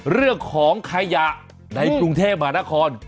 เรื่องของขยะในกรุงเทพมหานคร